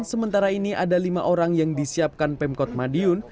sementara ini ada lima orang yang disiapkan pemkot madiun